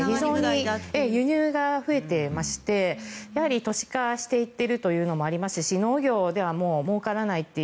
輸入が増えてまして都市化していっているというのもありますし農業ではもうからないという。